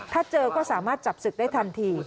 ถ้าเจอก็สามารถจับศึกได้ทันที